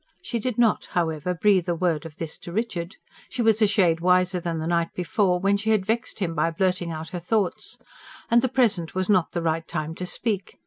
She did not, however, breathe a word of this to Richard. She was a shade wiser than the night before, when she had vexed him by blurting out her thoughts. And the present was not the right time to speak.